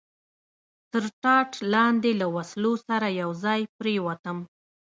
تر ټاټ لاندې له وسلو سره یو ځای پرېوتم.